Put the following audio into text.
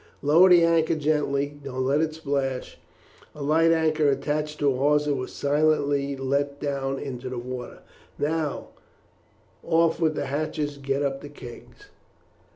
Lower the anchor gently; don't let it splash." A light anchor attached to a hawser was silently let down into the water. "Now, off with the hatches; get up the kegs."